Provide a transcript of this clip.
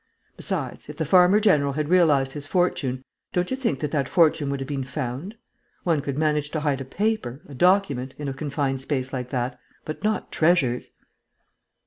Besides, if the farmer general had realized his fortune, don't you think that that fortune would have been found? One could manage to hide a paper, a document, in a confined space like that, but not treasures."